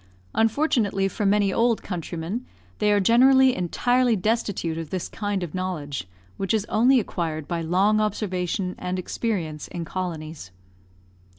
Unfortunately for many old countrymen, they are generally entirely destitute of this kind of knowledge, which is only acquired by long observation and experience in colonies.